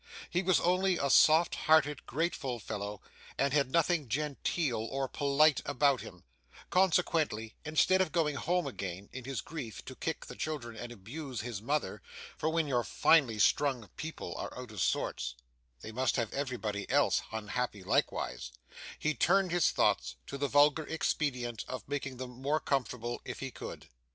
He was only a soft hearted grateful fellow, and had nothing genteel or polite about him; consequently, instead of going home again, in his grief, to kick the children and abuse his mother (for, when your finely strung people are out of sorts, they must have everybody else unhappy likewise), he turned his thoughts to the vulgar expedient of making them more comfortable if he could.